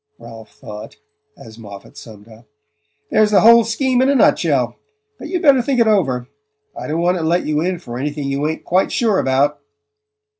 Ralph thought as Moffatt summed up: "There's the whole scheme in a nut shell; but you'd better think it over. I don't want to let you in for anything you ain't quite sure about."